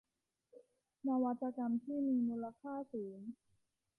นวัตกรรมที่มีมูลค่าสูง